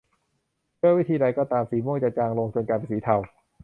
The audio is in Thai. ด้วยวิธีใดก็ตามสีม่วงจะจางลงจนกลายเป็นสีเทา